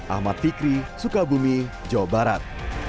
ahmad fikri sukabumi jawa barat